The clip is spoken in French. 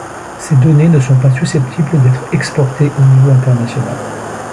Ces données ne sont pas susceptibles d'être exportées au niveau international.